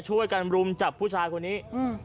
ช่วยกันรุมจับผู้ชายคนนี้